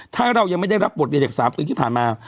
ถ้าเรายังไม่ได้รับบทเวียนจิกษาพลีกับผ่านมา